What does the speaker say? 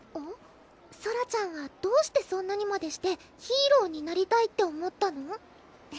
ソラちゃんはどうしてそんなにまでしてヒーローになりたいって思ったの？